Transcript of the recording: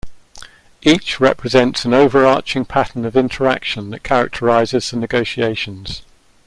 Each represents an overarching pattern of interaction that characterizes the negotiations.